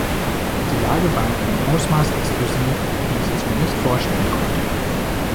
Die Lage war in einem Ausmaß explosiv, wie ich es mir nicht vorstellen konnte.